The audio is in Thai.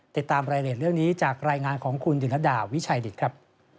ติดตามรายละเอียดเรื่องนี้จากรายงานของคุณดิลดาวิชัยดิตครับ